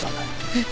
えっ！？